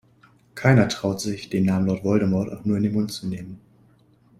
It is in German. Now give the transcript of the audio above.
Keiner traut sich, den Namen Lord Voldemort auch nur in den Mund zu nehmen.